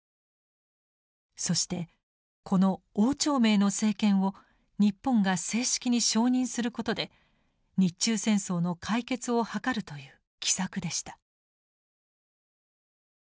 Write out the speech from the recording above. そしてこの汪兆銘の政権を日本が正式に承認することで日中戦争の解決を図るという奇策でした。